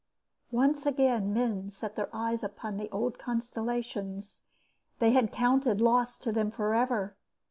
Once again men set their eyes upon the old constellations they had counted lost to them forever.